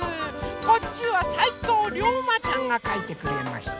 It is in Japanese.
こっちはさいとうりょうまちゃんがかいてくれました。